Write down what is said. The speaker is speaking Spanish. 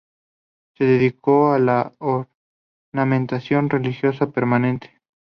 Se dedicó a la ornamentación religiosa permanente.